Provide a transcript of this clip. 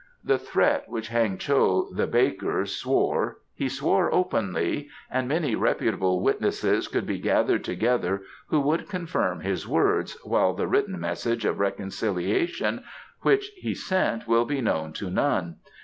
The threat which Heng cho the baker swore he swore openly, and many reputable witnesses could be gathered together who would confirm his words, while the written message of reconciliation which he sent will be known to none.